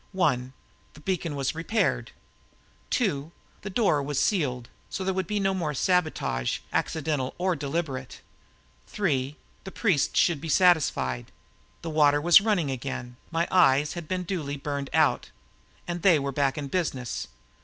One: The beacon was repaired. Two: The door was sealed, so there should be no more sabotage, accidental or deliberate. Three: The priests should be satisfied. The water was running again, my eyes had been duly burned out, and they were back in business.